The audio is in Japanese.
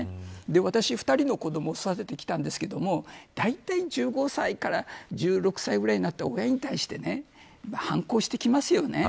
私、２人の子どもを育ててきたんですけどだいたい１５歳から１６歳ぐらいになって親に対して反抗してきますよね。